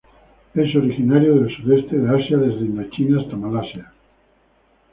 Es originario del sudeste de Asia desde Indochina hasta Malasia.